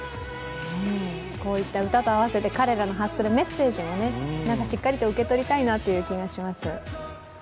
こういった歌と合わせて、彼らの発するメッセージもなんかしっかりと受け取りたいなっていう感じがします。